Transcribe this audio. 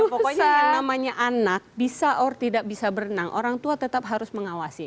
pokoknya yang namanya anak bisa ore tidak bisa berenang orang tua tetap harus mengawasi